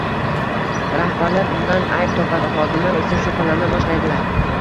Rahbarlar undan ayb topadi, xodimlar esa shubhalana boshlaydilar.